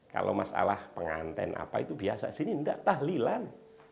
kalau masalah penganten apa itu biasa sini tidak tahlilan